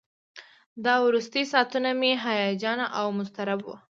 دا وروستي ساعتونه مې هیجاني او مضطرب وو.